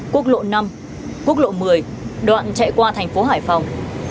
quốc lộ năm quốc lộ một mươi đoạn chạy qua thành phố hải phòng